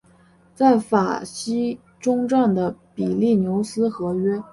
在法西终战的比利牛斯和约。